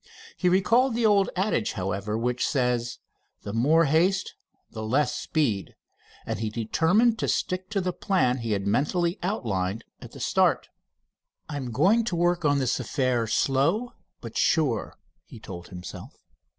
He recalled the old adage, however, which says "the more haste the less speed," and he determined to stick to the plan he had mentally outlined at the start. "I'm going to work on this affair slow but sure," he told himself.